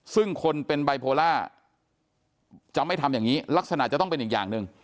ซึ่งคนเป็นไบโพล่าจะไม่ทำอย่างนี้ลักษณะจะต้องเป็นอีกอย่างหนึ่ง